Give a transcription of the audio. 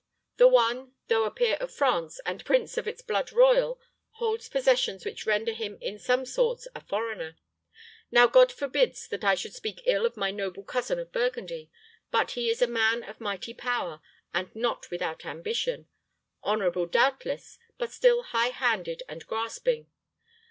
The one, though a peer of France and prince of its blood royal, holds possessions which render him in some sorts a foreigner. Now God forbid that I should speak ill of my noble cousin of Burgundy; but he is a man of mighty power, and not without ambition honorable, doubtless, but still high handed and grasping.